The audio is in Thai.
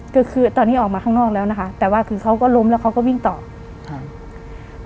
ก็คือตอนนี้ออกมาข้างนอกแล้วนะคะแต่ว่าคือเขาก็ล้มแล้วเขาก็วิ่งต่อครับ